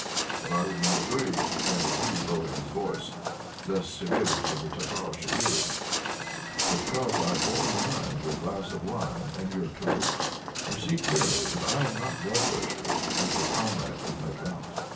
But I would not agree," added he, lowering his voice, lest Savéliitch and the Tartar should hear him, "because I bore in mind your glass of wine and your 'touloup.' You see clearly that I am not bloodthirsty, as your comrades would make out."